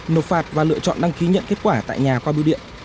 nộp phạt và lựa chọn đăng ký nhận kết quả tại nhà qua biêu điện